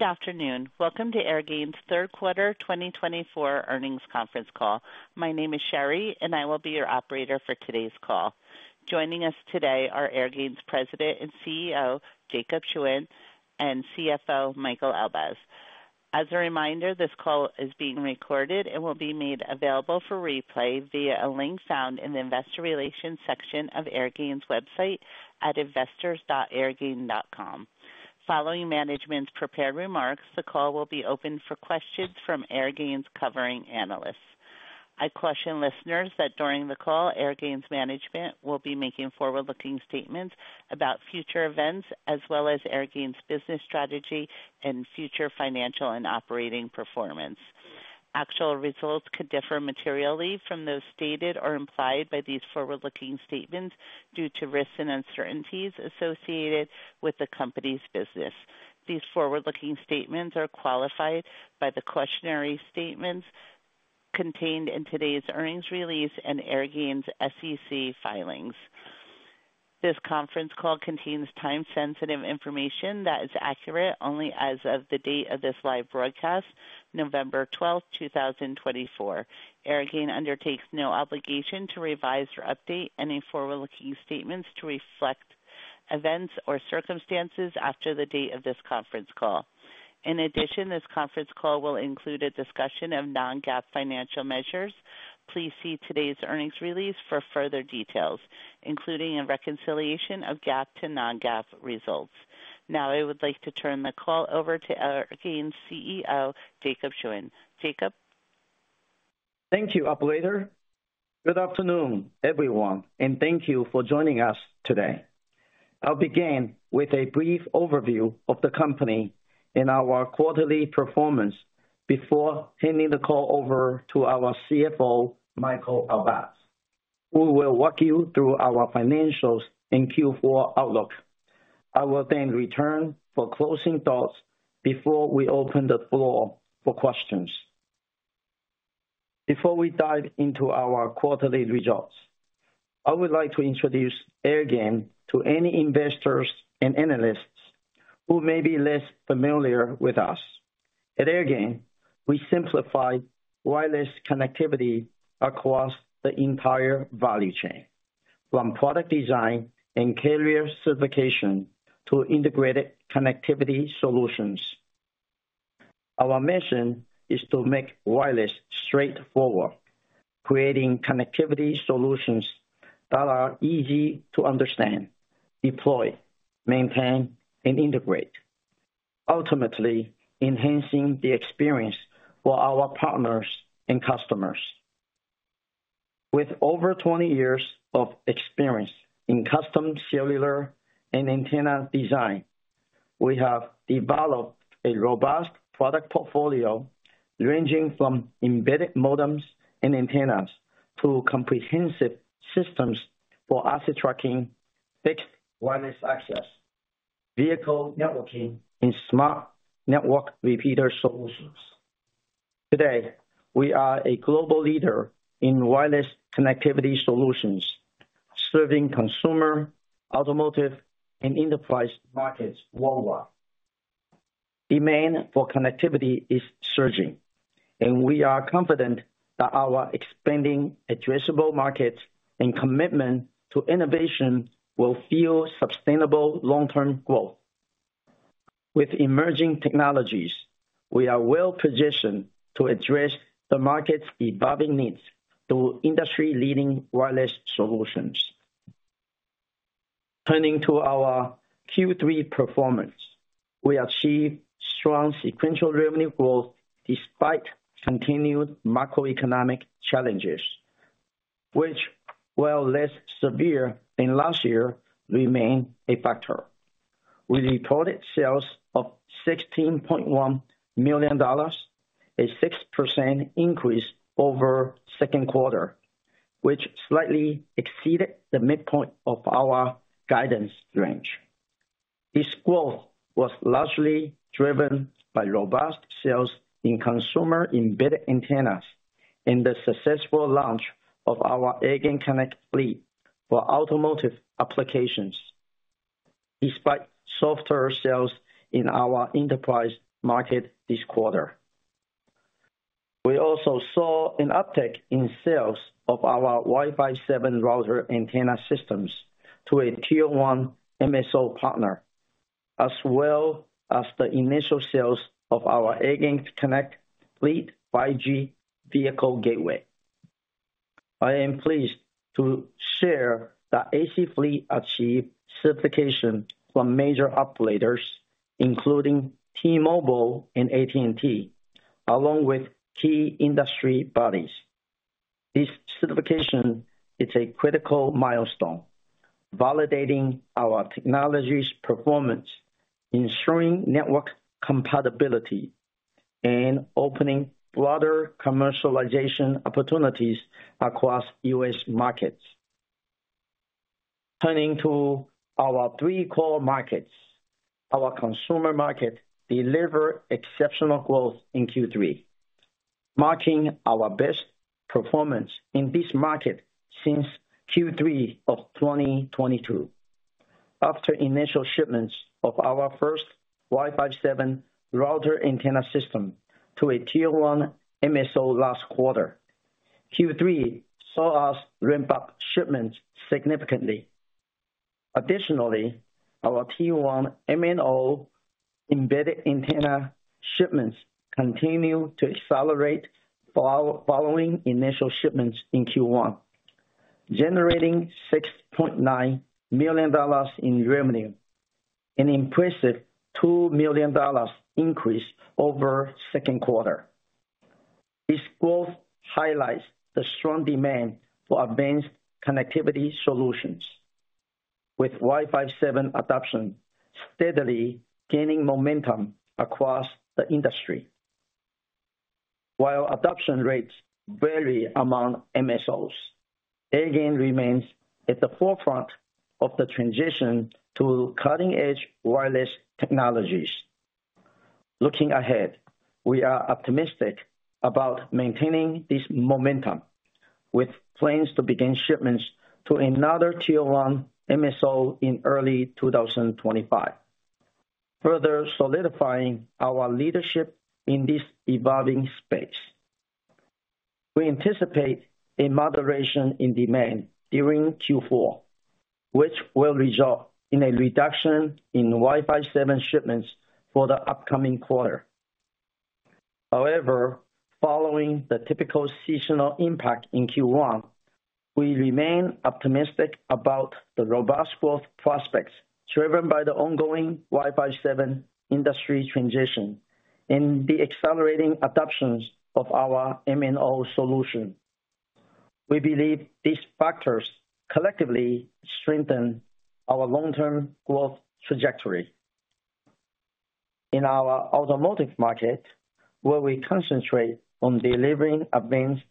Good afternoon. Welcome to Airgain's Third Quarter 2024 Earnings Conference Call. My name is Sherry, and I will be your operator for today's call. Joining us today are Airgain's President and CEO, Jacob Suen, and CFO, Michael Elbaz. As a reminder, this call is being recorded and will be made available for replay via a link found in the investor relations section of Airgain's website at investors.airgain.com. Following management's prepared remarks, the call will be open for questions from Airgain's covering analysts. I caution listeners that during the call, Airgain's management will be making forward-looking statements about future events as well as Airgain's business strategy and future financial and operating performance. Actual results could differ materially from those stated or implied by these forward-looking statements due to risks and uncertainties associated with the company's business. These forward-looking statements are qualified by the cautionary statements contained in today's earnings release and Airgain's SEC filings. This conference call contains time-sensitive information that is accurate only as of the date of this live broadcast, November 12th, 2024. Airgain undertakes no obligation to revise or update any forward-looking statements to reflect events or circumstances after the date of this conference call. In addition, this conference call will include a discussion of non-GAAP financial measures. Please see today's earnings release for further details, including a reconciliation of GAAP to non-GAAP results. Now, I would like to turn the call over to Airgain's CEO, Jacob Suen. Jacob. Thank you, operator. Good afternoon, everyone, and thank you for joining us today. I'll begin with a brief overview of the company and our quarterly performance before handing the call over to our CFO, Michael Elbaz. We will walk you through our financials and Q4 outlook. I will then return for closing thoughts before we open the floor for questions. Before we dive into our quarterly results, I would like to introduce Airgain to any investors and analysts who may be less familiar with us. At Airgain, we simplify wireless connectivity across the entire value chain, from product design and carrier certification to integrated connectivity solutions. Our mission is to make wireless straightforward, creating connectivity solutions that are easy to understand, deploy, maintain, and integrate, ultimately enhancing the experience for our partners and customers. With over 20 years of experience in custom cellular and antenna design, we have developed a robust product portfolio ranging from embedded modems and antennas to comprehensive systems for asset tracking, fixed wireless access, vehicle networking, and smart network repeater solutions. Today, we are a global leader in wireless connectivity solutions, serving consumer, automotive, and enterprise markets worldwide. Demand for connectivity is surging, and we are confident that our expanding addressable markets and commitment to innovation will fuel sustainable long-term growth. With emerging technologies, we are well positioned to address the market's evolving needs through industry-leading wireless solutions. Turning to our Q3 performance, we achieved strong sequential revenue growth despite continued macroeconomic challenges, which, while less severe than last year, remain a factor. We reported sales of $16.1 million, a 6% increase over the second quarter, which slightly exceeded the midpoint of our guidance range. This growth was largely driven by robust sales in consumer embedded antennas and the successful launch of our AirgainConnect Fleet for automotive applications, despite softer sales in our enterprise market this quarter. We also saw an uptick in sales of our Wi-Fi 7 router antenna systems to a Tier 1 MSO partner, as well as the initial sales of our AirgainConnect Fleet 5G vehicle gateway. I am pleased to share that the AC Fleet achieved certification from major operators, including T-Mobile and AT&T, along with key industry bodies. This certification is a critical milestone, validating our technology's performance, ensuring network compatibility, and opening broader commercialization opportunities across U.S. markets. Turning to our three core markets, our consumer market delivered exceptional growth in Q3, marking our best performance in this market since Q3 of 2022. After initial shipments of our first Wi-Fi 7 router antenna system to a Tier 1 MSO last quarter, Q3 saw us ramp up shipments significantly. Additionally, our Tier 1 MNO embedded antenna shipments continued to accelerate following initial shipments in Q1, generating $6.9 million in revenue, an impressive $2 million increase over the second quarter. This growth highlights the strong demand for advanced connectivity solutions, with Wi-Fi 7 adoption steadily gaining momentum across the industry. While adoption rates vary among MSOs, Airgain remains at the forefront of the transition to cutting-edge wireless technologies. Looking ahead, we are optimistic about maintaining this momentum, with plans to begin shipments to another Tier 1 MSO in early 2025, further solidifying our leadership in this evolving space. We anticipate a moderation in demand during Q4, which will result in a reduction in Wi-Fi 7 shipments for the upcoming quarter. However, following the typical seasonal impact in Q1, we remain optimistic about the robust growth prospects driven by the ongoing Wi-Fi 7 industry transition and the accelerating adoptions of our MNO solution. We believe these factors collectively strengthen our long-term growth trajectory. In our automotive market, where we concentrate on delivering advanced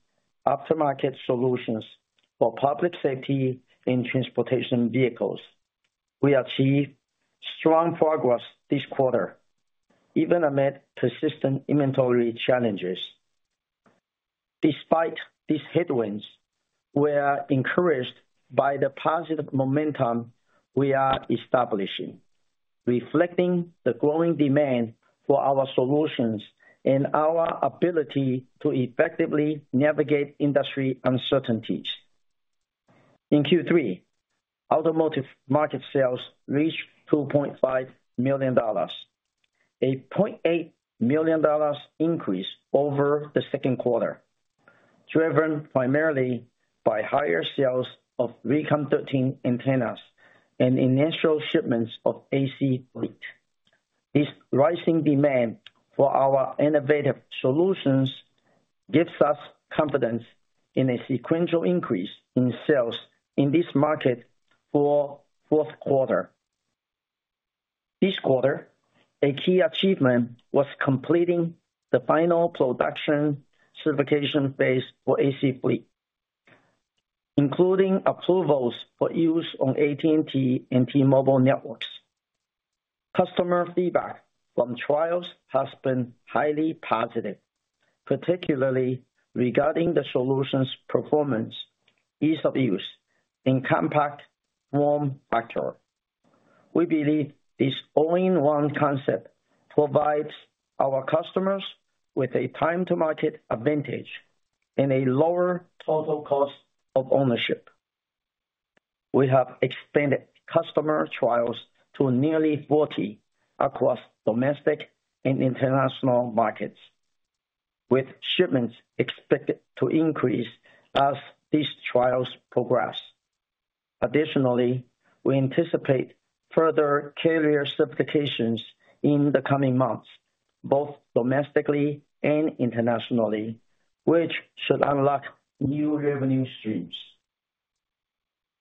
aftermarket solutions for public safety and transportation vehicles, we achieved strong progress this quarter, even amid persistent inventory challenges. Despite these headwinds, we are encouraged by the positive momentum we are establishing, reflecting the growing demand for our solutions and our ability to effectively navigate industry uncertainties. In Q3, automotive market sales reached $2.5 million, a $0.8 million increase over the second quarter, driven primarily by higher sales of RECON antennas and initial shipments of AC Fleet. This rising demand for our innovative solutions gives us confidence in a sequential increase in sales in this market for the fourth quarter. This quarter, a key achievement was completing the final production certification phase for AC Fleet, including approvals for use on AT&T and T-Mobile networks. Customer feedback from trials has been highly positive, particularly regarding the solution's performance, ease of use, and compact form factor. We believe this all-in-one concept provides our customers with a time-to-market advantage and a lower total cost of ownership. We have expanded customer trials to nearly 40 across domestic and international markets, with shipments expected to increase as these trials progress. Additionally, we anticipate further carrier certifications in the coming months, both domestically and internationally, which should unlock new revenue streams.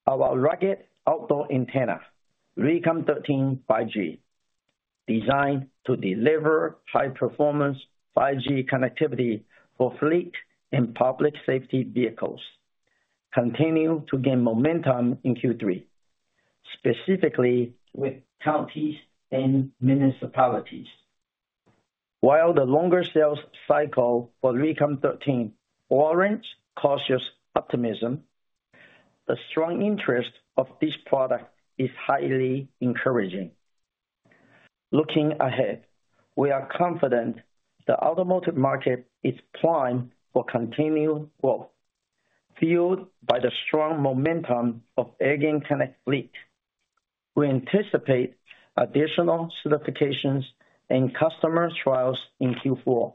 Our rugged outdoor antenna, RECON13 5G, designed to deliver high-performance 5G connectivity for fleet and public safety vehicles, continues to gain momentum in Q3, specifically with counties and municipalities. While the longer sales cycle for RECON13 warrants cautious optimism, the strong interest of this product is highly encouraging. Looking ahead, we are confident the automotive market is primed for continued growth, fueled by the strong momentum of AirgainConnect Fleet. We anticipate additional certifications and customer trials in Q4,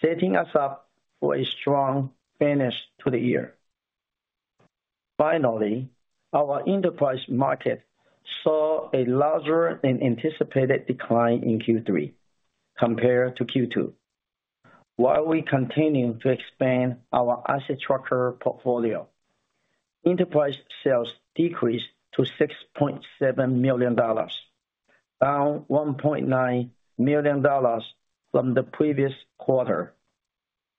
setting us up for a strong finish to the year. Finally, our enterprise market saw a larger than anticipated decline in Q3 compared to Q2. While we continue to expand our asset portfolio, enterprise sales decreased to $6.7 million, down $1.9 million from the previous quarter.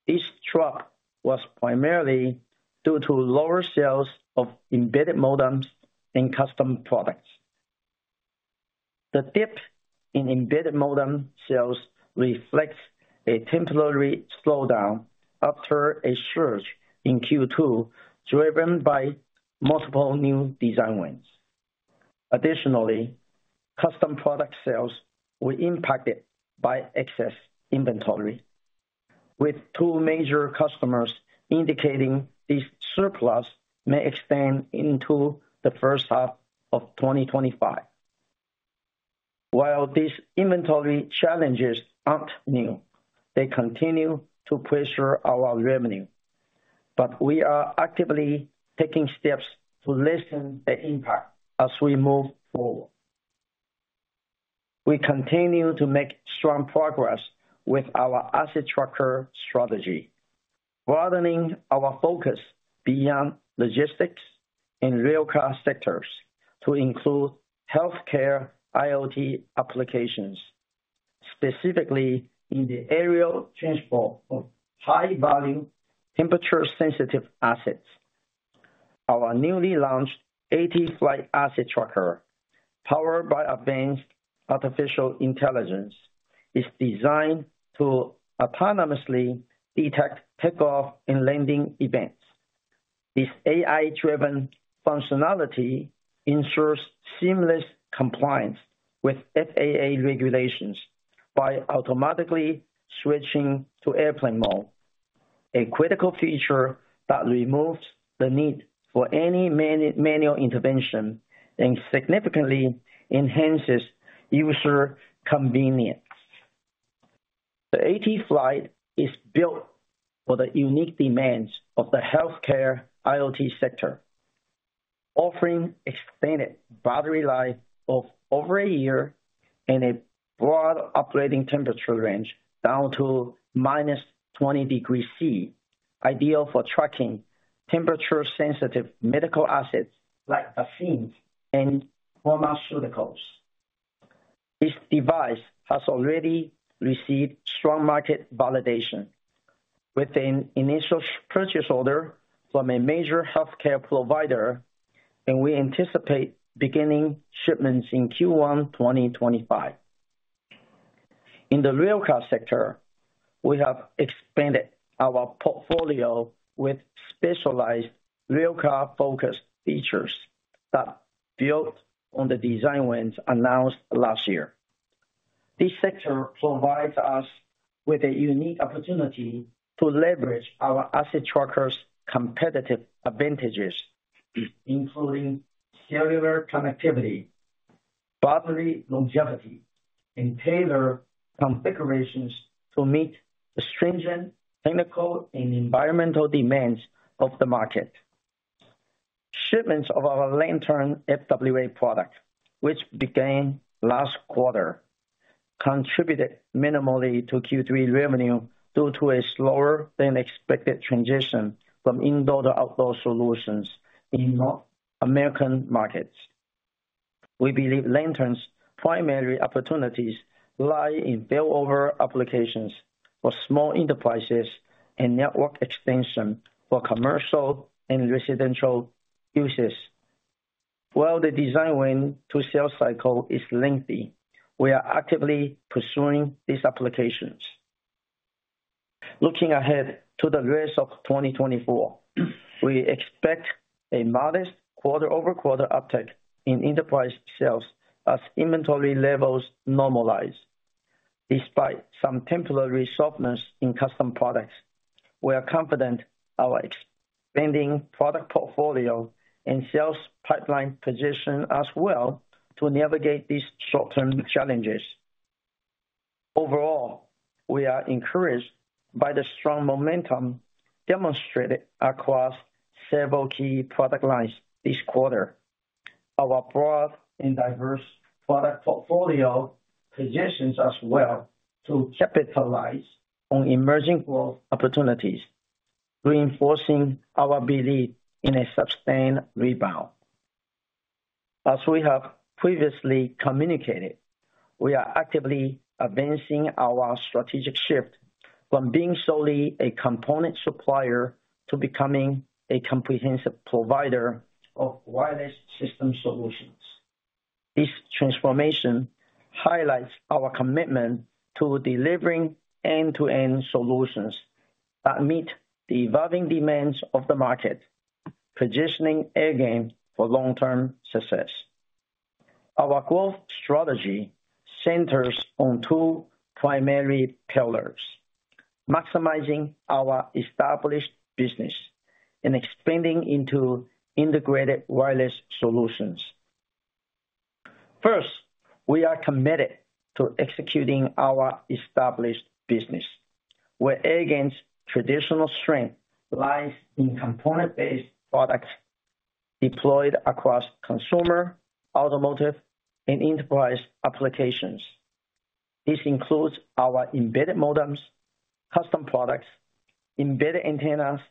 This drop was primarily due to lower sales of embedded modems and custom products. The dip in embedded modem sales reflects a temporary slowdown after a surge in Q2 driven by multiple new design wins. Additionally, custom product sales were impacted by excess inventory, with two major customers indicating this surplus may extend into the first half of 2025. While these inventory challenges aren't new, they continue to pressure our revenue, but we are actively taking steps to lessen the impact as we move forward. We continue to make strong progress with our asset tracker strategy, broadening our focus beyond logistics and railcar sectors to include healthcare IoT applications, specifically in the aerial transport of high-value temperature-sensitive assets. Our newly launched AT-Flight asset tracker, powered by advanced artificial intelligence, is designed to autonomously detect takeoff and landing events. This AI-driven functionality ensures seamless compliance with FAA regulations by automatically switching to airplane mode, a critical feature that removes the need for any manual intervention and significantly enhances user convenience. The AT-Flight is built for the unique demands of the healthcare IoT sector, offering extended battery life of over a year and a broad operating temperature range down to minus 20 degrees Celsius, ideal for tracking temperature-sensitive medical assets like vaccines and pharmaceuticals. This device has already received strong market validation with an initial purchase order from a major healthcare provider, and we anticipate beginning shipments in Q1 2025. In the railcar sector, we have expanded our portfolio with specialized railcar-focused features that build on the design wins announced last year. This sector provides us with a unique opportunity to leverage our asset tracker's competitive advantages, including cellular connectivity, battery longevity, and tailored configurations to meet the stringent technical and environmental demands of the market. Shipments of our Lantern FWA product, which began last quarter, contributed minimally to Q3 revenue due to a slower-than-expected transition from indoor to outdoor solutions in North American markets. We believe Lantern's primary opportunities lie in failover applications for small enterprises and network extension for commercial and residential uses. While the design win-to-sale cycle is lengthy, we are actively pursuing these applications. Looking ahead to the rest of 2024, we expect a modest quarter-over-quarter uptick in enterprise sales as inventory levels normalize. Despite some temporary softness in custom products, we are confident our expanding product portfolio and sales pipeline position as well to navigate these short-term challenges. Overall, we are encouraged by the strong momentum demonstrated across several key product lines this quarter. Our broad and diverse product portfolio positions us well to capitalize on emerging growth opportunities, reinforcing our belief in a sustained rebound. As we have previously communicated, we are actively advancing our strategic shift from being solely a component supplier to becoming a comprehensive provider of wireless system solutions. This transformation highlights our commitment to delivering end-to-end solutions that meet the evolving demands of the market, positioning Airgain for long-term success. Our growth strategy centers on two primary pillars: maximizing our established business and expanding into integrated wireless solutions. First, we are committed to executing our established business, where Airgain's traditional strength lies in component-based products deployed across consumer, automotive, and enterprise applications. This includes our embedded modems, custom products, embedded antennas,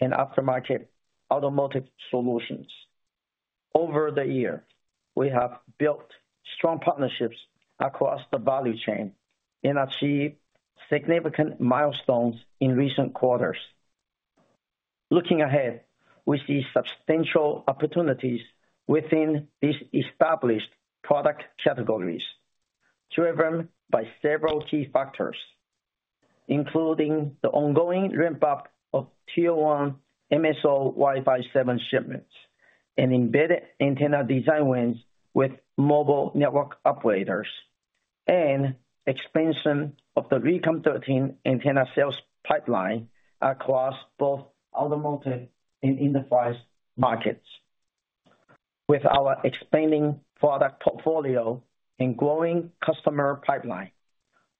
and aftermarket automotive solutions. Over the year, we have built strong partnerships across the value chain and achieved significant milestones in recent quarters. Looking ahead, we see substantial opportunities within these established product categories, driven by several key factors, including the ongoing ramp-up of Tier 1 MSO Wi-Fi 7 shipments, embedded antenna design wins with mobile network operators, and expansion of the RECON13 antenna sales pipeline across both automotive and enterprise markets. With our expanding product portfolio and growing customer pipeline,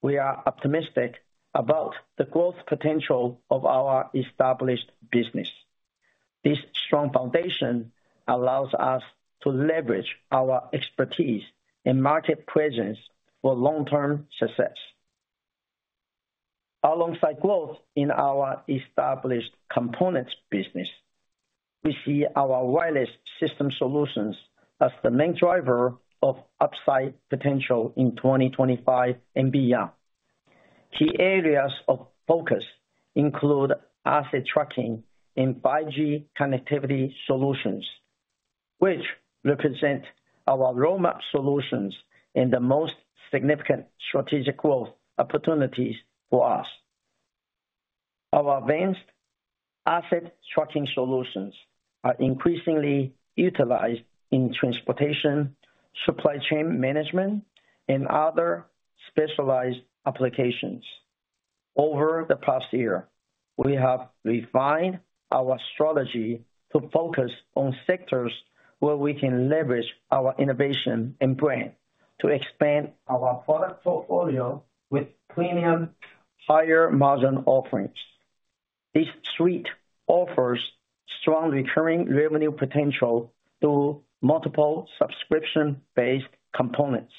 we are optimistic about the growth potential of our established business. This strong foundation allows us to leverage our expertise and market presence for long-term success. Alongside growth in our established components business, we see our wireless system solutions as the main driver of upside potential in 2025 and beyond. Key areas of focus include asset tracking and 5G connectivity solutions, which represent our roadmap solutions and the most significant strategic growth opportunities for us. Our advanced asset tracking solutions are increasingly utilized in transportation, supply chain management, and other specialized applications. Over the past year, we have refined our strategy to focus on sectors where we can leverage our innovation and brand to expand our product portfolio with premium, higher-margin offerings. This suite offers strong recurring revenue potential through multiple subscription-based components,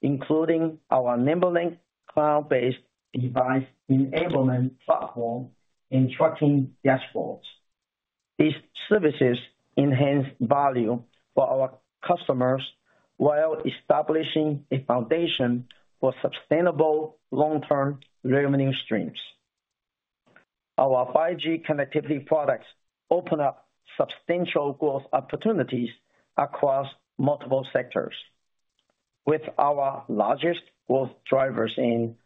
including our NimbeLink cloud-based device enablement platform and tracking dashboards. These services enhance value for our customers while establishing a foundation for sustainable long-term revenue streams. Our 5G connectivity products open up substantial growth opportunities across multiple sectors, with our largest growth drivers in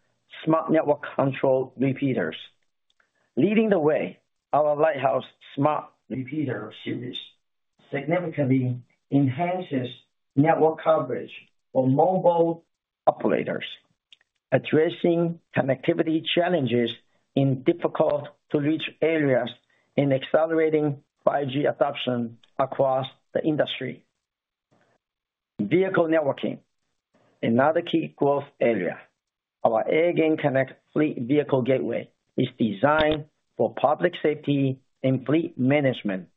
smart network control repeaters. Leading the way, our Lighthouse Smart Repeater series significantly enhances network coverage for mobile operators, addressing connectivity challenges in difficult-to-reach areas and accelerating 5G adoption across the industry. Vehicle networking, another key growth area, our AirgainConnect Fleet vehicle gateway is designed for public safety and fleet management,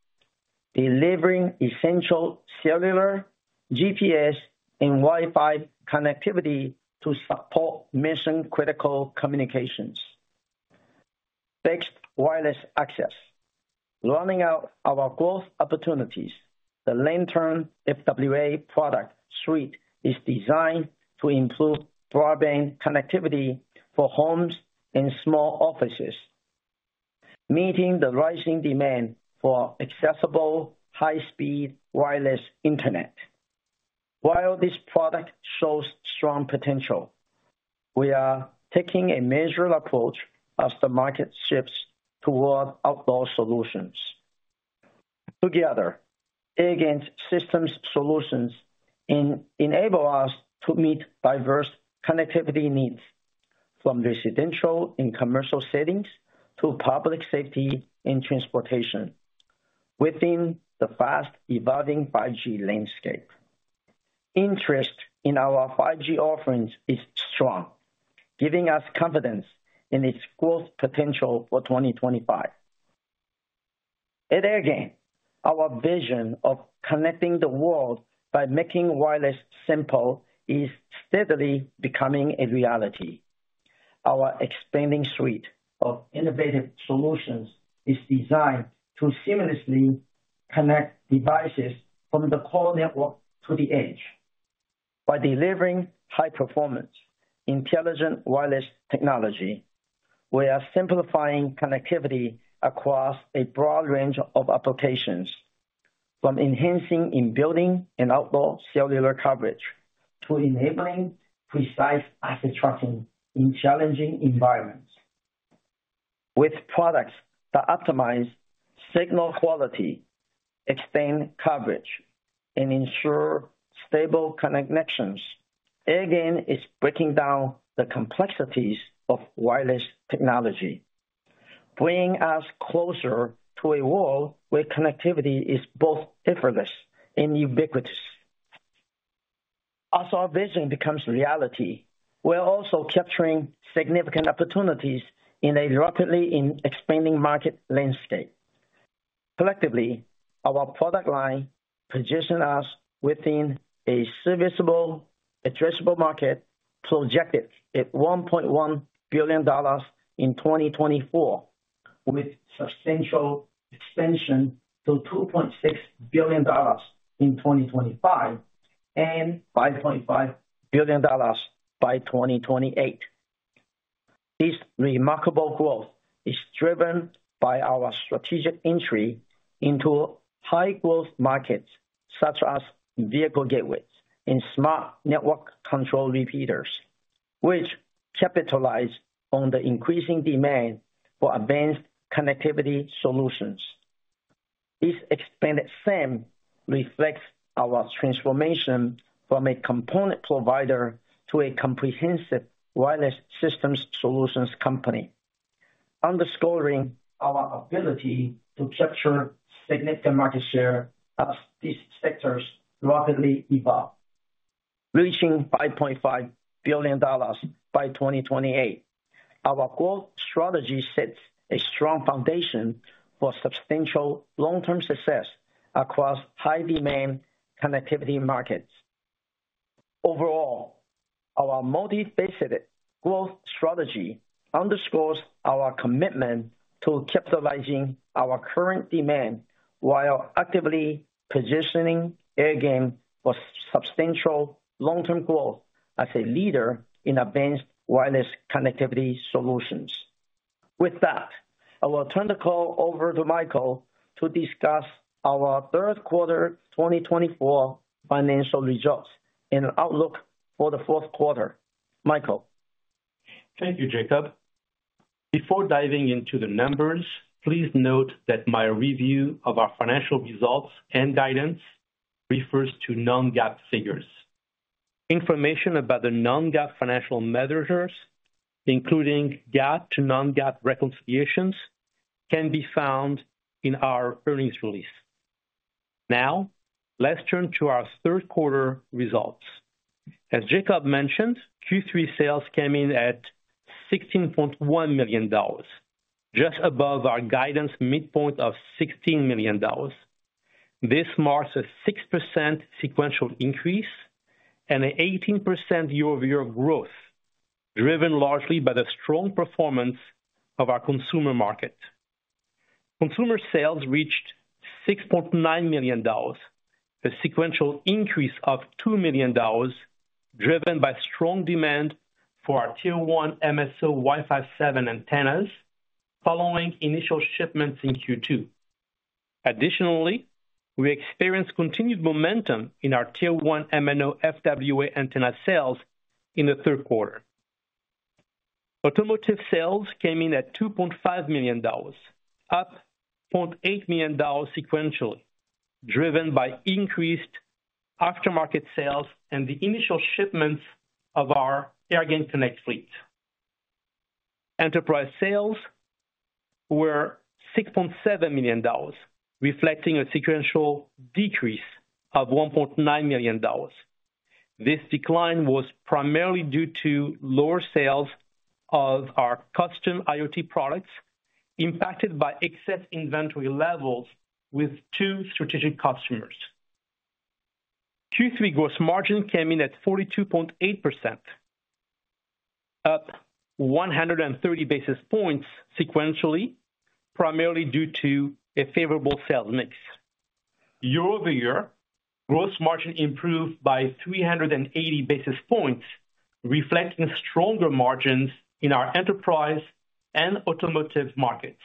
delivering essential cellular, GPS, and Wi-Fi connectivity to support mission-critical communications. Fixed wireless access, rounding out our growth opportunities, the Lantern FWA product suite is designed to improve broadband connectivity for homes and small offices, meeting the rising demand for accessible high-speed wireless internet. While this product shows strong potential, we are taking a measured approach as the market shifts toward outdoor solutions. Together, Airgain's system solutions enable us to meet diverse connectivity needs, from residential and commercial settings to public safety and transportation, within the fast-evolving 5G landscape. Interest in our 5G offerings is strong, giving us confidence in its growth potential for 2025. At Airgain, our vision of connecting the world by making wireless simple is steadily becoming a reality. Our expanding suite of innovative solutions is designed to seamlessly connect devices from the core network to the edge. By delivering high-performance, intelligent wireless technology, we are simplifying connectivity across a broad range of applications, from enhancing in-building and outdoor cellular coverage to enabling precise asset tracking in challenging environments. With products that optimize signal quality, extend coverage, and ensure stable connections, Airgain is breaking down the complexities of wireless technology, bringing us closer to a world where connectivity is both effortless and ubiquitous. As our vision becomes reality, we are also capturing significant opportunities in a rapidly expanding market landscape. Collectively, our product line positions us within a serviceable, addressable market projected at $1.1 billion in 2024, with substantial expansion to $2.6 billion in 2025 and $5.5 billion by 2028. This remarkable growth is driven by our strategic entry into high-growth markets such as vehicle gateways and smart network control repeaters, which capitalize on the increasing demand for advanced connectivity solutions. This expanded SAM reflects our transformation from a component provider to a comprehensive wireless systems solutions company, underscoring our ability to capture significant market share as these sectors rapidly evolve. Reaching $5.5 billion by 2028, our growth strategy sets a strong foundation for substantial long-term success across high-demand connectivity markets. Overall, our multi-faceted growth strategy underscores our commitment to capitalizing our current demand while actively positioning Airgain for substantial long-term growth as a leader in advanced wireless connectivity solutions. With that, I will turn the call over to Michael to discuss our third-quarter 2024 financial results and outlook for the fourth quarter. Michael. Thank you, Jacob. Before diving into the numbers, please note that my review of our financial results and guidance refers to non-GAAP figures. Information about the non-GAAP financial measures, including GAAP to non-GAAP reconciliations, can be found in our earnings release. Now, let's turn to our third-quarter results. As Jacob mentioned, Q3 sales came in at $16.1 million, just above our guidance midpoint of $16 million. This marks a 6% sequential increase and an 18% year-over-year growth, driven largely by the strong performance of our consumer market. Consumer sales reached $6.9 million, a sequential increase of $2 million, driven by strong demand for our Tier 1 MSO Wi-Fi 7 antennas, following initial shipments in Q2. Additionally, we experienced continued momentum in our Tier 1 MNO FWA antenna sales in the third quarter. Automotive sales came in at $2.5 million, up $0.8 million sequentially, driven by increased aftermarket sales and the initial shipments of our AirgainConnect Fleet. Enterprise sales were $6.7 million, reflecting a sequential decrease of $1.9 million. This decline was primarily due to lower sales of our custom IoT products, impacted by excess inventory levels with two strategic customers. Q3 gross margin came in at 42.8%, up 130 basis points sequentially, primarily due to a favorable sales mix. Year-over-year, gross margin improved by 380 basis points, reflecting stronger margins in our enterprise and automotive markets.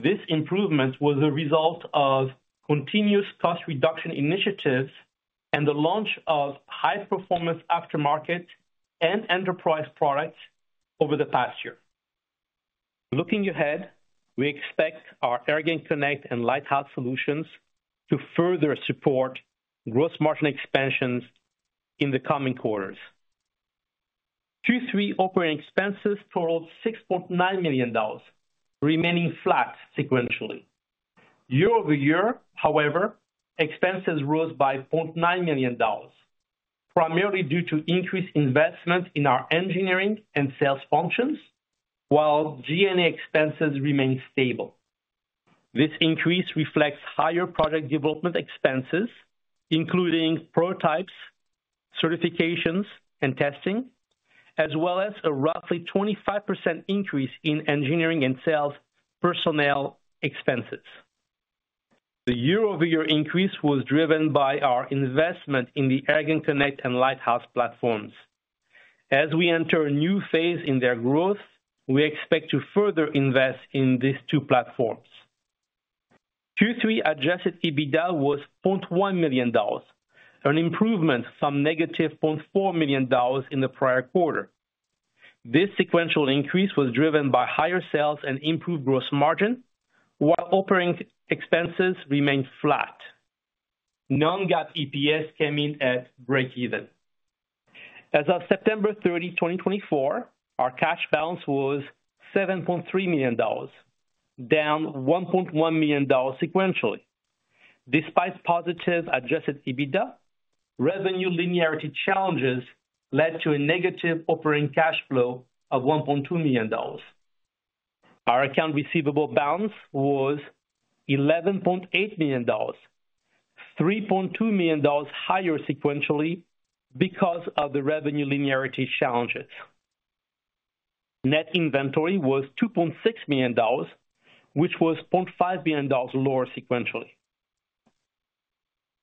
This improvement was a result of continuous cost reduction initiatives and the launch of high-performance aftermarket and enterprise products over the past year. Looking ahead, we expect our AirgainConnect and Lighthouse solutions to further support gross margin expansions in the coming quarters. Q3 operating expenses totaled $6.9 million, remaining flat sequentially. Year-over-year, however, expenses rose by $0.9 million, primarily due to increased investment in our engineering and sales functions, while G&A expenses remained stable. This increase reflects higher project development expenses, including prototypes, certifications, and testing, as well as a roughly 25% increase in engineering and sales personnel expenses. The year-over-year increase was driven by our investment in the AirgainConnect and Lighthouse platforms. As we enter a new phase in their growth, we expect to further invest in these two platforms. Q3 adjusted EBITDA was $0.1 million, an improvement from negative $0.4 million in the prior quarter. This sequential increase was driven by higher sales and improved gross margin, while operating expenses remained flat. Non-GAAP EPS came in at break-even. As of September 30, 2024, our cash balance was $7.3 million, down $1.1 million sequentially. Despite positive adjusted EBITDA, revenue linearity challenges led to a negative operating cash flow of $1.2 million. Our accounts receivable balance was $11.8 million, $3.2 million higher sequentially because of the revenue linearity challenges. Net inventory was $2.6 million, which was $0.5 million lower sequentially.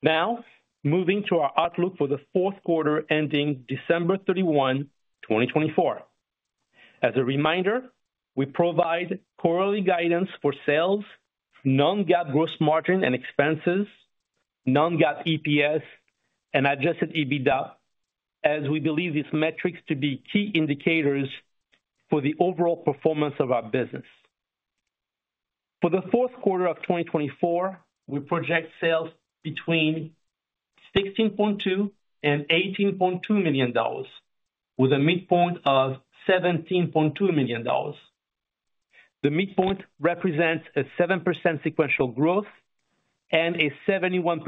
Now, moving to our outlook for the fourth quarter ending December 31, 2024. As a reminder, we provide quarterly guidance for sales, non-GAAP gross margin and expenses, non-GAAP EPS, and adjusted EBITDA, as we believe these metrics to be key indicators for the overall performance of our business. For the fourth quarter of 2024, we project sales between $16.2 and $18.2 million, with a midpoint of $17.2 million. The midpoint represents a 7% sequential growth and a 71%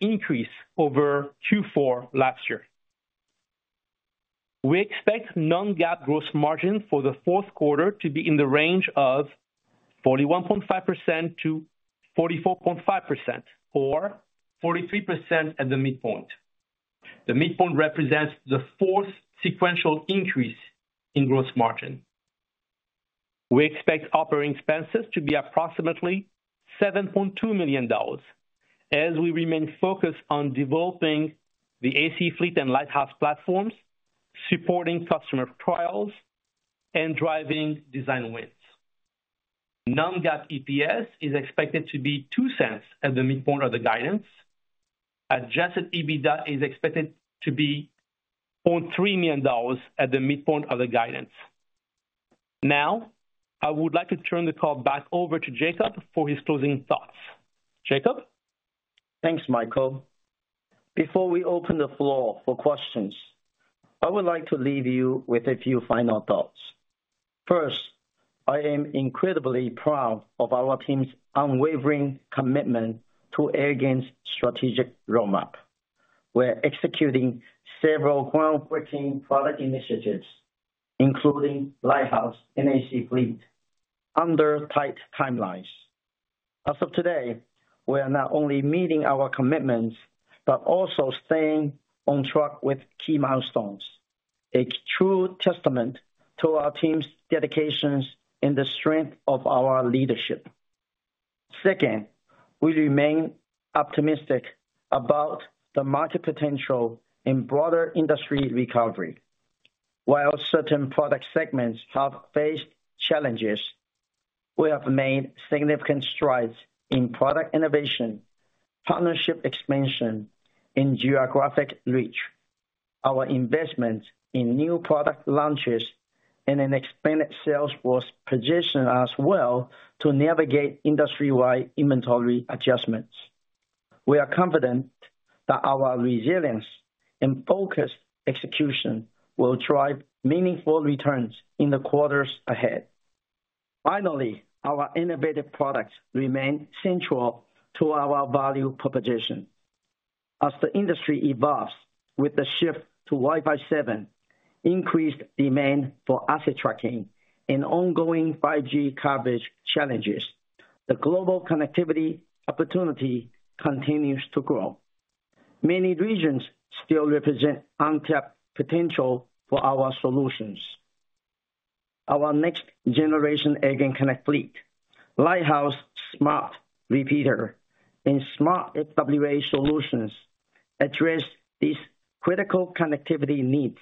increase over Q4 last year. We expect Non-GAAP gross margin for the fourth quarter to be in the range of 41.5% to 44.5%, or 43% at the midpoint. The midpoint represents the fourth sequential increase in gross margin. We expect operating expenses to be approximately $7.2 million, as we remain focused on developing the AC fleet and Lighthouse platforms, supporting customer trials, and driving design wins. Non-GAAP EPS is expected to be $0.02 at the midpoint of the guidance. Adjusted EBITDA is expected to be $0.3 million at the midpoint of the guidance. Now, I would like to turn the call back over to Jacob for his closing thoughts. Jacob? Thanks, Michael. Before we open the floor for questions, I would like to leave you with a few final thoughts. First, I am incredibly proud of our team's unwavering commitment to Airgain's strategic roadmap. We're executing several groundbreaking product initiatives, including Lighthouse and AC Fleet, under tight timelines. As of today, we are not only meeting our commitments but also staying on track with key milestones, a true testament to our team's dedication and the strength of our leadership. Second, we remain optimistic about the market potential and broader industry recovery. While certain product segments have faced challenges, we have made significant strides in product innovation, partnership expansion, and geographic reach. Our investment in new product launches and an expanded sales force position us well to navigate industry-wide inventory adjustments. We are confident that our resilience and focused execution will drive meaningful returns in the quarters ahead. Finally, our innovative products remain central to our value proposition. As the industry evolves with the shift to Wi-Fi 7, increased demand for asset tracking, and ongoing 5G coverage challenges, the global connectivity opportunity continues to grow. Many regions still represent untapped potential for our solutions. Our next-generation AirgainConnect Fleet, Lighthouse Smart Repeater, and smart FWA solutions address these critical connectivity needs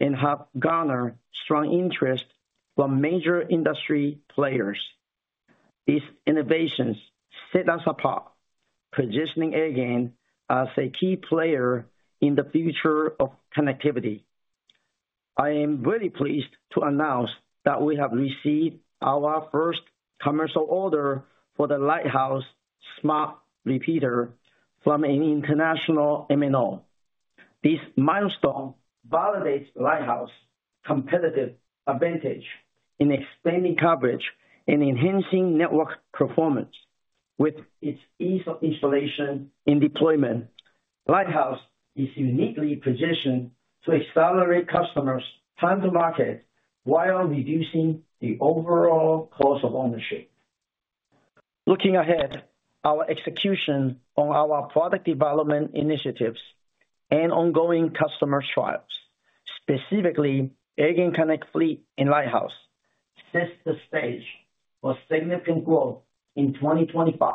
and have garnered strong interest from major industry players. These innovations set us apart, positioning Airgain as a key player in the future of connectivity. I am very pleased to announce that we have received our first commercial order for the Lighthouse Smart Repeater from an international MNO. This milestone validates Lighthouse's competitive advantage in expanding coverage and enhancing network performance. With its ease of installation and deployment, Lighthouse is uniquely positioned to accelerate customers' time to market while reducing the overall cost of ownership. Looking ahead, our execution on our product development initiatives and ongoing customer trials, specifically AirgainConnect Fleet and Lighthouse, sets the stage for significant growth in 2025,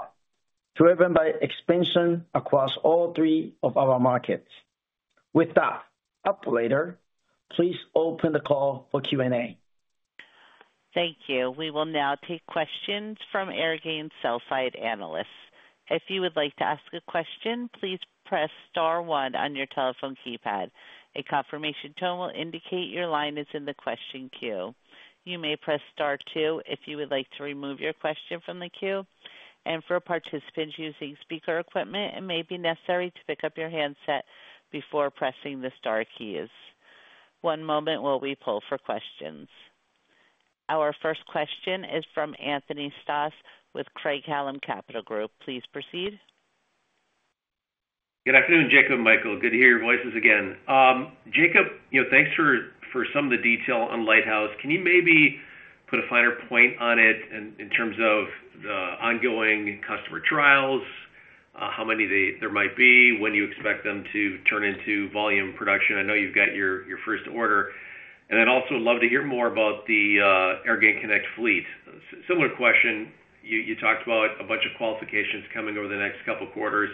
driven by expansion across all three of our markets. With that, operator, please open the call for Q&A. Thank you. We will now take questions from Airgain sell-side analysts. If you would like to ask a question, please press star one on your telephone keypad. A confirmation tone will indicate your line is in the question queue. You may press star two if you would like to remove your question from the queue. And for participants using speaker equipment, it may be necessary to pick up your handset before pressing the Star keys. One moment while we poll for questions. Our first question is from Anthony Stoss with Craig-Hallum Capital Group. Please proceed. Good afternoon, Jacob and Michael. Good to hear your voices again. Jacob, thanks for some of the detail on Lighthouse. Can you maybe put a finer point on it in terms of the ongoing customer trials, how many there might be, when you expect them to turn into volume production? I know you've got your first order. And then also love to hear more about the AirgainConnect Fleet. Similar question. You talked about a bunch of qualifications coming over the next couple of quarters.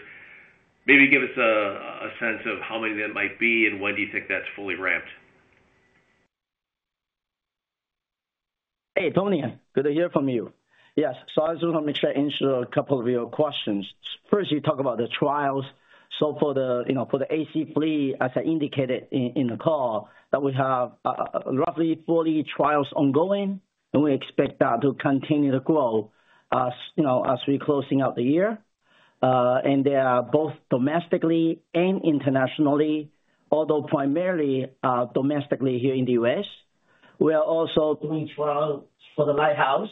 Maybe give us a sense of how many that might be and when do you think that's fully ramped? Hey, Tony. Good to hear from you. Yes. So I just want to make sure I answered a couple of your questions. First, you talked about the trials. So for the AC Fleet, as I indicated in the call, that we have roughly 40 trials ongoing, and we expect that to continue to grow as we're closing out the year. And they are both domestically and internationally, although primarily domestically here in the U.S. We are also doing trials for the Lighthouse.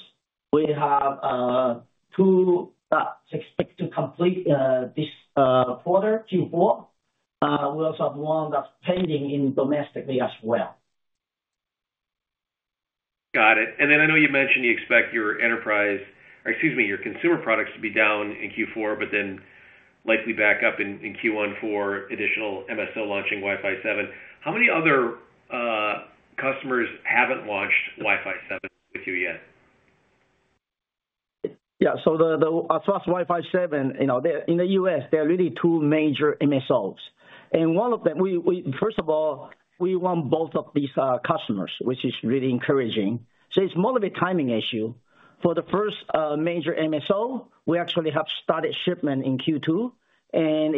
We have two that's expected to complete this quarter, Q4. We also have one that's pending in domestically as well. Got it. And then I know you mentioned you expect your enterprise or, excuse me, your consumer products to be down in Q4, but then likely back up in Q1 for additional MSO launching Wi-Fi 7. How many other customers haven't launched Wi-Fi 7 with you yet? Yeah. So the SWAS Wi-Fi 7, in the U.S., there are really two major MSOs. And one of them, first of all, we want both of these customers, which is really encouraging. So it's more of a timing issue. For the first major MSO, we actually have started shipment in Q2. And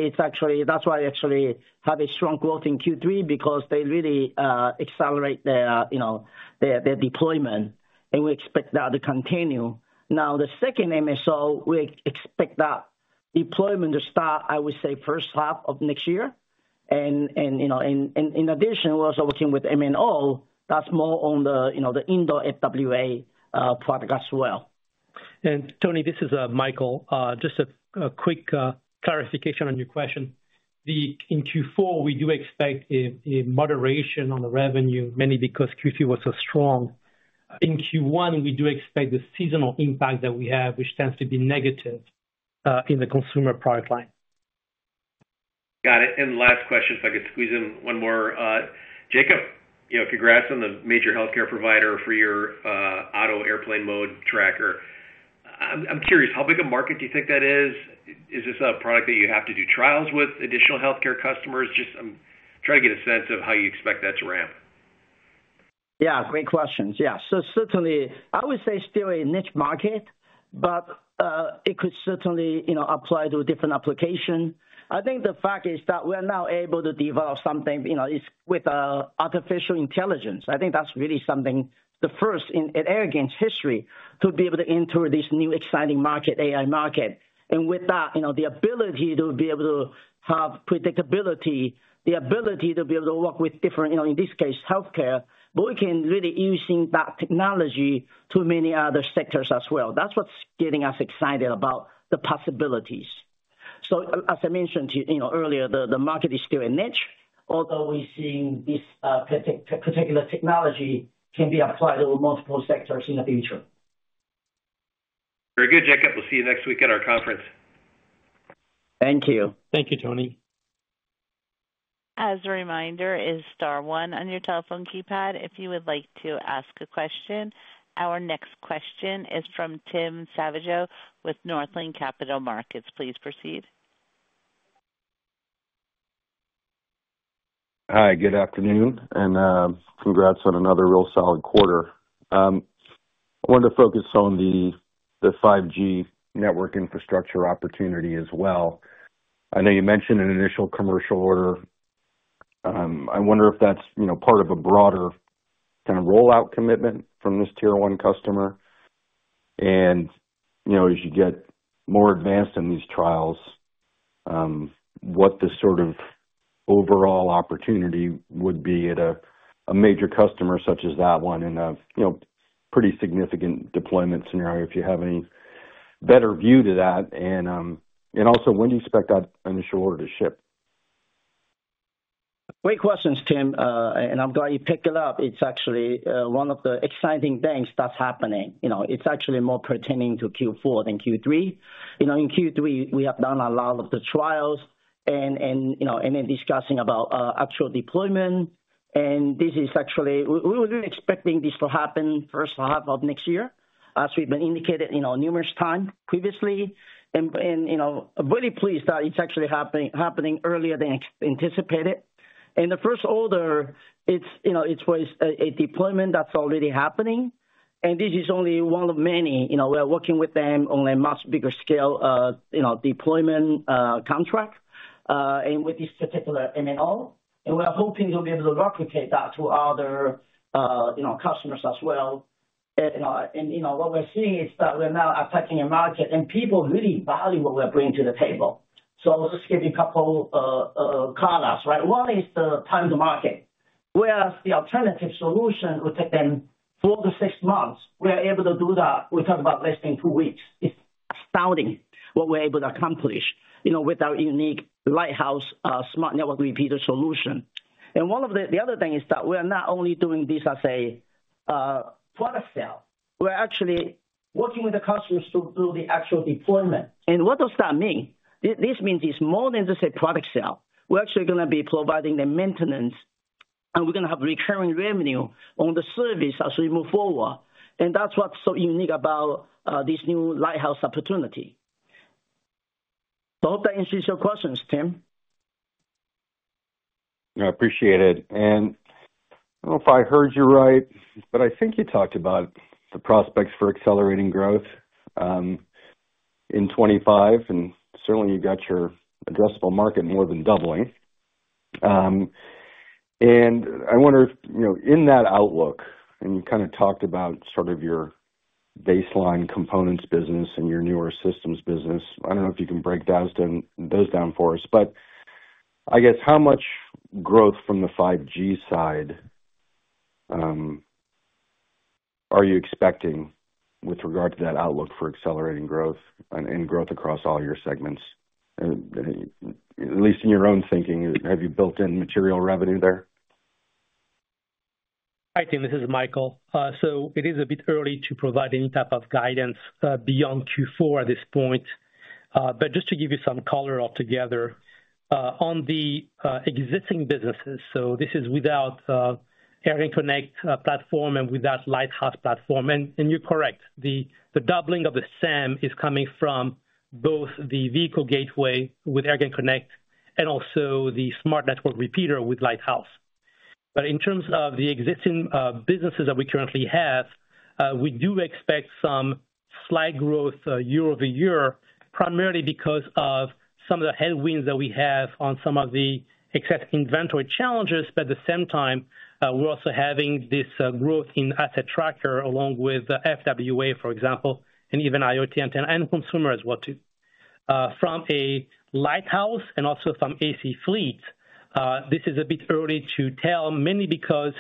that's why we actually have a strong growth in Q3 because they really accelerate their deployment. And we expect that to continue. Now, the second MSO, we expect that deployment to start, I would say, first half of next year. And in addition, we're also working with MNO that's more on the indoor FWA product as well. And Tony, this is Michael. Just a quick clarification on your question. In Q4, we do expect a moderation on the revenue, mainly because Q3 was so strong. In Q1, we do expect the seasonal impact that we have, which tends to be negative in the consumer product line. Got it. And last question, if I could squeeze in one more. Jacob, congrats on the major healthcare provider for your AI airplane mode tracker. I'm curious, how big a market do you think that is? Is this a product that you have to do trials with additional healthcare customers? Just trying to get a sense of how you expect that to ramp. Yeah. Great questions. Yeah. So certainly, I would say still a niche market, but it could certainly apply to different applications. I think the fact is that we're now able to develop something with artificial intelligence. I think that's really something, the first in Airgain's history, to be able to enter this new exciting market, AI market. And with that, the ability to be able to have predictability, the ability to be able to work with different, in this case, healthcare, but we can really use that technology to many other sectors as well. That's what's getting us excited about the possibilities. So as I mentioned earlier, the market is still a niche, although we're seeing this particular technology can be applied to multiple sectors in the future. Very good, Jacob. We'll see you next week at our conference. Thank you. Thank you, Tony. As a reminder, it is star one on your telephone keypad if you would like to ask a question. Our next question is from Tim Savageaux with Northland Capital Markets. Please proceed. Hi. Good afternoon. And congrats on another real solid quarter. I wanted to focus on the 5G network infrastructure opportunity as well. I know you mentioned an initial commercial order. I wonder if that's part of a broader kind of rollout commitment from this tier one customer. And as you get more advanced in these trials, what the sort of overall opportunity would be at a major customer such as that one in a pretty significant deployment scenario, if you have any better view to that. And also, when do you expect that initial order to ship? Great questions, Tim. And I'm glad you picked it up. It's actually one of the exciting things that's happening. It's actually more pertaining to Q4 than Q3. In Q3, we have done a lot of the trials and discussing about actual deployment. And this is actually we were expecting this to happen first half of next year, as we've been indicated numerous times previously. And I'm really pleased that it's actually happening earlier than anticipated. And the first order, it's a deployment that's already happening. And this is only one of many. We're working with them on a much bigger scale deployment contract and with this particular MNO. And we're hoping to be able to replicate that to other customers as well. And what we're seeing is that we're now attacking a market, and people really value what we're bringing to the table. So I'll just give you a couple of callouts, right? One is the time to market, whereas the alternative solution would take them four-to-six months. We are able to do that. We talked about less than two weeks. It's astounding what we're able to accomplish with our unique Lighthouse smart network repeater solution. And one of the other things is that we're not only doing this as a product sale. We're actually working with the customers to do the actual deployment. And what does that mean? This means it's more than just a product sale. We're actually going to be providing the maintenance, and we're going to have recurring revenue on the service as we move forward. And that's what's so unique about this new Lighthouse opportunity. I hope that answers your questions, Tim. I appreciate it. And I don't know if I heard you right, but I think you talked about the prospects for accelerating growth in 2025, and certainly, you got your addressable market more than doubling. And I wonder, in that outlook, and you kind of talked about sort of your baseline components business and your newer systems business. I don't know if you can break those down for us. But I guess, how much growth from the 5G side are you expecting with regard to that outlook for accelerating growth and growth across all your segments, at least in your own thinking? Have you built in material revenue there? Hi, Tim. This is Michael. So, it is a bit early to provide any type of guidance beyond Q4 at this point. But just to give you some color altogether on the existing businesses, so this is without AirgainConnect platform and without Lighthouse platform. And you're correct. The doubling of the SAM is coming from both the vehicle gateway with AirgainConnect and also the smart network repeater with Lighthouse. But in terms of the existing businesses that we currently have, we do expect some slight growth year-over-year, primarily because of some of the headwinds that we have on some of the excess inventory challenges. But at the same time, we're also having this growth in asset tracker along with FWA, for example, and even IoT antenna and consumer as well too. From a Lighthouse and also from AC fleets, this is a bit early to tell, mainly because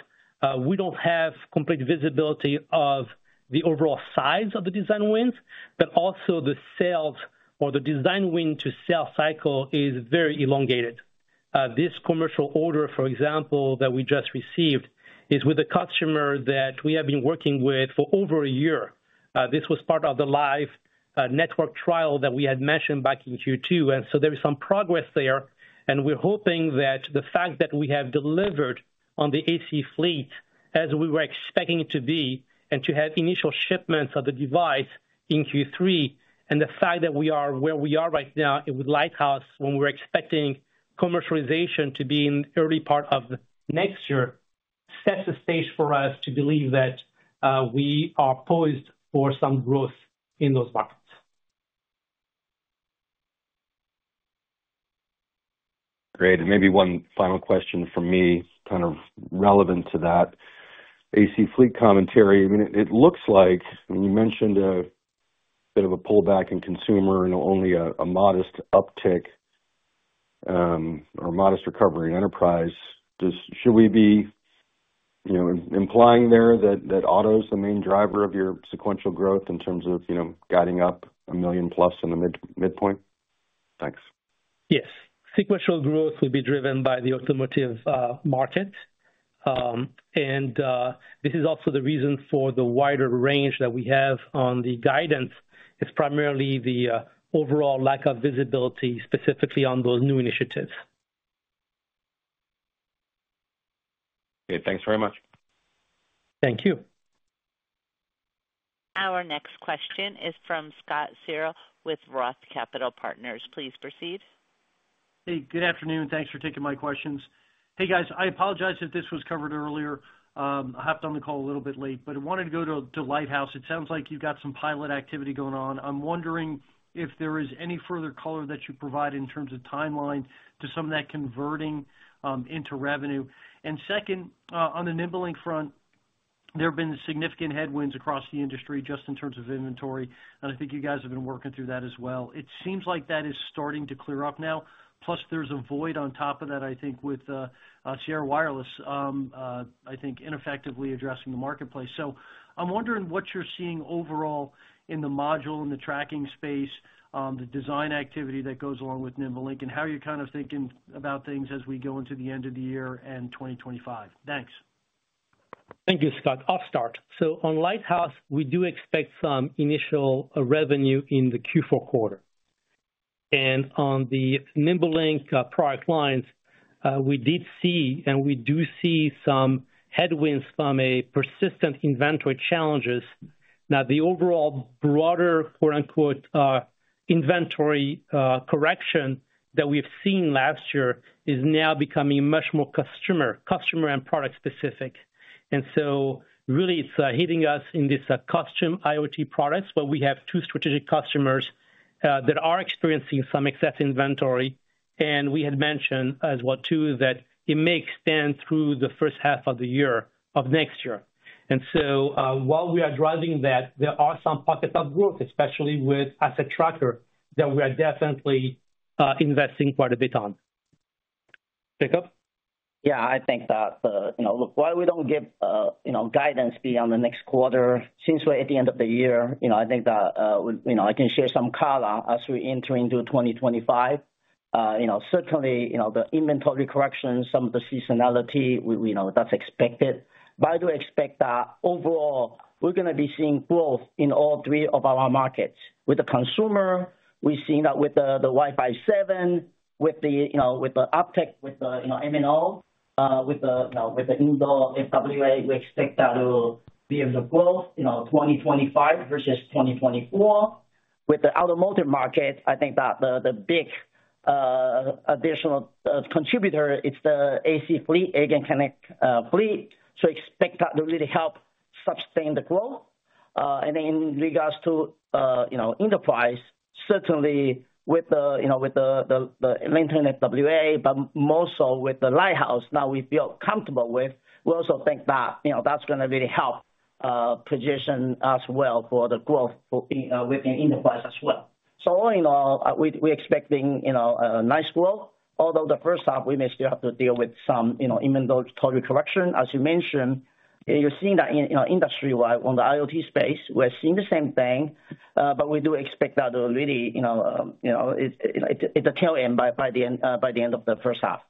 we don't have complete visibility of the overall size of the design wins, but also the sales or the design win to sales cycle is very elongated. This commercial order, for example, that we just received is with a customer that we have been working with for over a year. This was part of the live network trial that we had mentioned back in Q2, and so there is some progress there. And we're hoping that the fact that we have delivered on the AC fleet as we were expecting it to be and to have initial shipments of the device in Q3 and the fact that we are where we are right now with Lighthouse when we're expecting commercialization to be in the early part of next year sets the stage for us to believe that we are poised for some growth in those markets. Great. And maybe one final question from me kind of relevant to that. AC fleet commentary. I mean, it looks like you mentioned a bit of a pullback in consumer and only a modest uptick or modest recovery in enterprise. Should we be implying there that auto is the main driver of your sequential growth in terms of guiding up a million plus in the midpoint? Thanks. Yes. Sequential growth will be driven by the automotive market. And this is also the reason for the wider range that we have on the guidance. It's primarily the overall lack of visibility specifically on those new initiatives. Okay. Thanks very much. Thank you. Our next question is from Scott Searle with Roth Capital Partners. Please proceed. Hey, good afternoon. Thanks for taking my questions. Hey, guys, I apologize if this was covered earlier. I hopped on the call a little bit late, but I wanted to go to Lighthouse. It sounds like you've got some pilot activity going on. I'm wondering if there is any further color that you provide in terms of timeline to some of that converting into revenue. And second, on the NimbeLink front, there have been significant headwinds across the industry just in terms of inventory. I think you guys have been working through that as well. It seems like that is starting to clear up now. Plus, there's a void on top of that, I think, with Sierra Wireless, I think, ineffectively addressing the marketplace. So I'm wondering what you're seeing overall in the module and the tracking space, the design activity that goes along with NimbeLink, and how you're kind of thinking about things as we go into the end of the year and 2025. Thanks. Thank you, Scott. I'll start. On Lighthouse, we do expect some initial revenue in the Q4 quarter. On the NimbeLink product lines, we did see and we do see some headwinds from persistent inventory challenges. Now, the overall broader "inventory correction" that we've seen last year is now becoming much more customer and product specific. And so really, it's hitting us in this custom IoT products where we have two strategic customers that are experiencing some excess inventory. And we had mentioned as well too that it may extend through the first half of the year of next year. And so while we are driving that, there are some pockets of growth, especially with asset tracker that we are definitely investing quite a bit on. Jacob? Yeah. I think that while we don't get guidance beyond the next quarter, since we're at the end of the year, I think that I can share some color as we enter into 2025. Certainly, the inventory correction, some of the seasonality, that's expected. But I do expect that overall, we're going to be seeing growth in all three of our markets. With the consumer, we've seen that with the Wi-Fi 7, with the Optic, with the MNO, with the indoor FWA, we expect that will be in the growth 2025 versus 2024. With the automotive market, I think that the big additional contributor is the AC Fleet, AirgainConnect Fleet. So expect that to really help sustain the growth. And then in regards to enterprise, certainly with the Lantern FWA, but more so with the Lighthouse now we feel comfortable with, we also think that that's going to really help position as well for the growth within enterprise as well. So we're expecting a nice growth, although the first half, we may still have to deal with some inventory correction. As you mentioned, you're seeing that industry-wide on the IoT space. We're seeing the same thing, but we do expect that really it's a tail end by the end of the first half.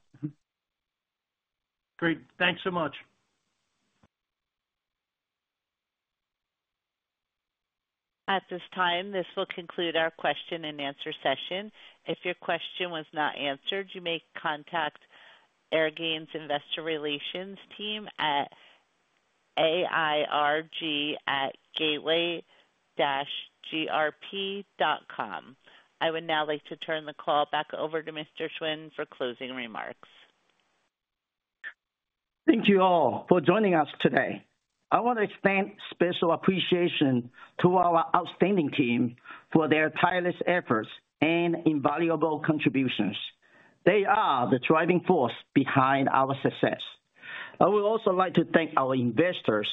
Great. Thanks so much. At this time, this will conclude our question and answer session. If your question was not answered, you may contact Airgain's investor relations team at airg@gateway-grp.com. I would now like to turn the call back over to Mr. Suen for closing remarks. Thank you all for joining us today. I want to extend special appreciation to our outstanding team for their tireless efforts and invaluable contributions. They are the driving force behind our success. I would also like to thank our investors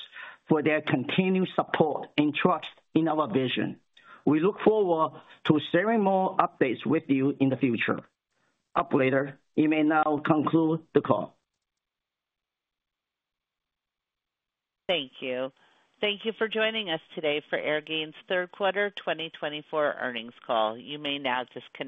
for their continued support and trust in our vision. We look forward to sharing more updates with you in the future. Operator, you may now conclude the call. Thank you. Thank you for joining us today for Airgain's Third Quarter 2024 Earnings Call. You may now disconnect.